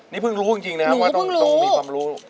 นี่เพิ่งรู้จริงนะครับว่าต้องมีความรู้